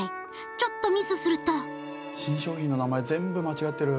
ちょっとミスすると新商品の名前全部間違ってる。